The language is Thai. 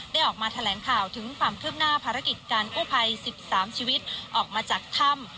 ออกมาแถลงข่าวถึงความคืบหน้าภารกิจการกู้ภัย๑๓ชีวิตออกมาจากถ้ำ